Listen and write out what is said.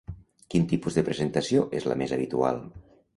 Quin tipus de presentació és la més habitual?